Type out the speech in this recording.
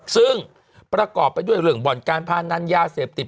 ซึ่งประกอบไปด้วยเรื่องบ่อนการพานันยาเสพติด